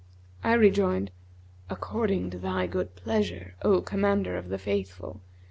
I rejoined, 'According to thy good pleasure, O Commander of the Faithful!